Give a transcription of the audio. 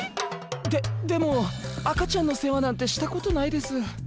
ででも赤ちゃんの世話なんてしたことないです。